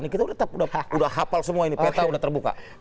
kita sudah hafal semua ini peta sudah terbuka